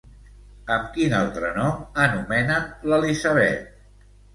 Amb quin altre nom anomenen l'Elisabet?